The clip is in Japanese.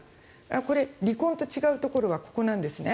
これ、離婚と違うところはここなんですね。